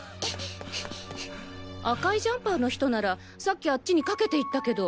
赤いジャンパーの人ならさっきあっちに駆けていったけど？